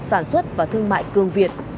sản xuất và thương mại cương việt